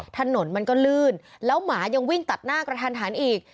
ถนนมันก็ลื่นแล้วหมายังวิ่งตัดหน้ากระทันหันอีก